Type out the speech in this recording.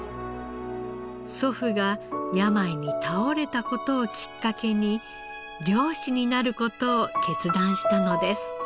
祖父が病に倒れた事をきっかけに漁師になる事を決断したのです。